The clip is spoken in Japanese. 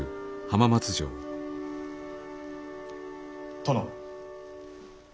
・殿。